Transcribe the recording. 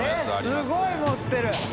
すごい盛ってる。